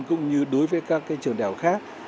cũng như đối với các trường đào khác